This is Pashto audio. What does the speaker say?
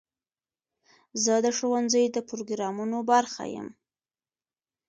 زه د ښوونځي د پروګرامونو برخه یم.